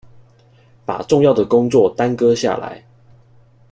把重要的工作耽擱下來